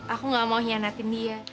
aku gak mau hianatin dia